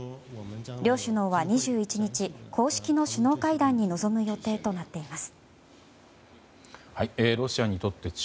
両首脳は２１日公式の首脳会談に臨む予定となっています。